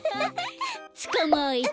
つかまえた。